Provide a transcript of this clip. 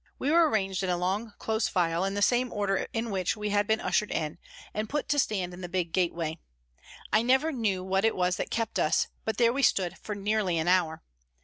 We were arranged in a long, close file, in the same order in which we had been ushered in, and put to stand in the big gateway. I never knew what it was that kept us, but there we stood for nearly an hour.